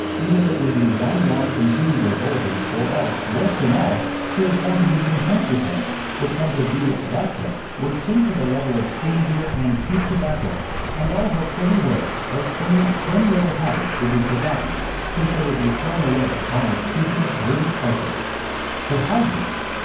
Either it would be one long continued revulsion, or else worse than all she would come to be content with him, would come to be like him, would sink to the level of steam beer and cheap tobacco, and all her pretty ways, her clean, trim little habits, would be forgotten, since they would be thrown away upon her stupid, brutish husband. "Her husband!"